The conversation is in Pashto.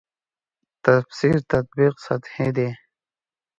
تفسیر تطبیق سطحې دي.